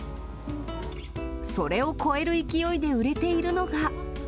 それを超える勢いで売れているのが。